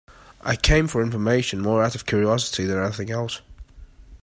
I came for information more out of curiosity than anything else.